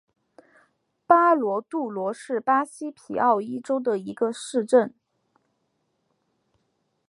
巴罗杜罗是巴西皮奥伊州的一个市镇。